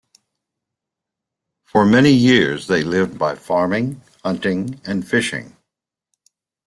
For many years they lived by farming, hunting and fishing.